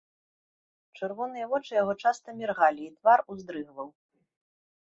Чырвоныя вочы яго часта міргалі, і твар уздрыгваў.